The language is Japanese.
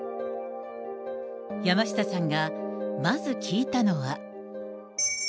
山下さんがまず聞いたのは。